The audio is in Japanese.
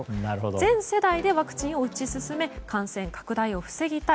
全世代でワクチンを打ち進め感染拡大を防ぎたい。